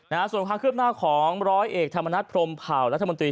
นะฮะส่วนความคืบหน้าของร้อยเอกธรรมนัฐพรมเผารัฐมนตรี